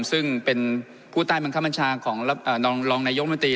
ซึ่งเป็นผู้ใต้บังคับบัญชาของรองนายกมนตรี